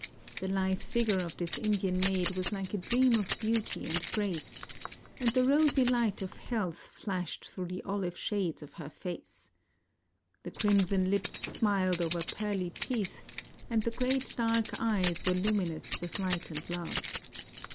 The lithe figure of this Indian maid was like a dream of beauty and grace, and the rosy light of health flashed through the ohve shades of her face. The crimson lips smiled over pearly teeth and the great dark eyes were luminous ■^ith light and love.